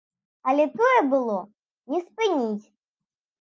Але тое было не спыніць.